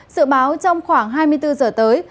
sự báo trong khoảng hai mươi bốn giờ tới